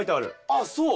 あっそう？